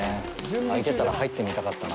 開いてたら、入ってみたかったな。